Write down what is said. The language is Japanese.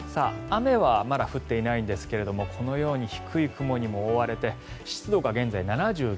雨はまだ降っていないんですがこのように低い雲にも覆われて湿度が現在７９％。